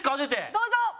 どうぞ！